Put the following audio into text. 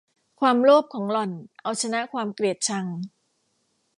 ความโลภของหล่อนเอาชนะความเกลียดชัง